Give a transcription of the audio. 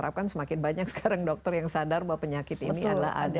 dan banyak sekarang dokter yang sadar bahwa penyakit ini adalah ada